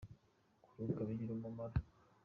Kuruhuka bigira umumaro.